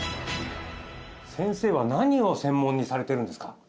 先生は何を専門にされてるんですか？